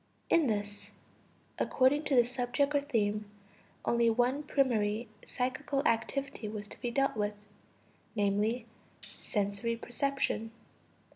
In this, according to the subject or theme, only one primary psychical activity was to be dealt with: viz. sensory perception.